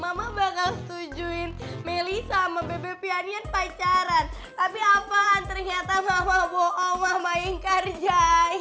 mama bakal setujuin melih sama bebe pianian pacaran tapi apaan ternyata mama bohong sama yang kerja